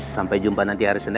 sampai jumpa nanti hari senin